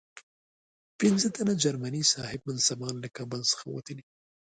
پنځه تنه جرمني صاحب منصبان له کابل څخه وتلي.